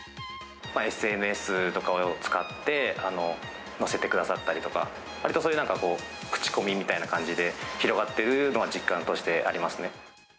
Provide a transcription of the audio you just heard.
ＳＮＳとかを使って、載せてくださったりとか、わりとそういう口コミみたいな感じで広がっているのは実感としてありますね。